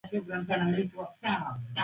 Gari limebeba mizigo.